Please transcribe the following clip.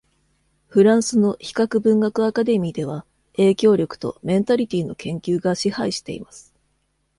フランスの比較文学アカデミーでは、影響力とメンタリティの研究が支配しています。